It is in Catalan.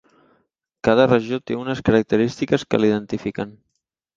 Cada regió té unes característiques que l'identifiquen.